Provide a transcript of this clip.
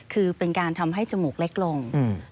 คือเป็นการทำให้จมูกเล็กลง